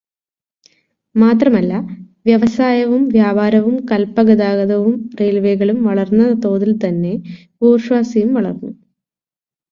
മാത്രമല്ല, വ്യവസായവും വ്യാപാരവും കപ്പൽഗതാഗതവും റെയിൽവേകളും വളർന്ന തോതിൽത്തന്നെ ബൂർഷ്വാസിയും വളർന്നു.